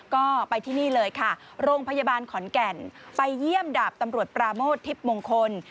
ก็ไปที่นี่เลยค่ะโรงพยาบาลขอนแก่นไปเยี่ยมดาบตำรวจปราโมททิพย์มงคล